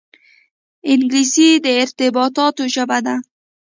انګلیسي د ارتباطاتو ژبه ده